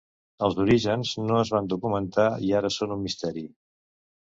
Els orígens no es van documentar i ara són un misteri.